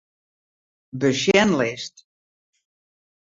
Besjenlist.